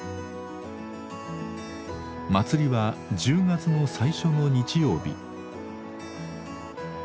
祭りは１０月の最初の日曜日。